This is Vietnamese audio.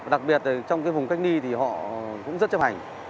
đặc biệt trong vùng cách ly thì họ cũng rất chấp hành